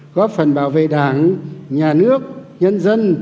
góp phần bảo vệ đảng nhà nước nhân dân